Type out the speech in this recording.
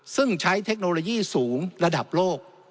ซึ่งใช้เทคโนโลยีสูงระดับโลก